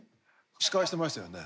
司会してましたよね。